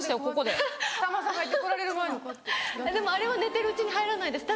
でもあれは寝てるうちに入らないです。